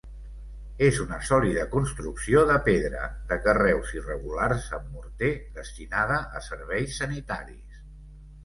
És una sòlida construcció de pedra de carreus irregulars amb morter, destinada a serveis sanitaris.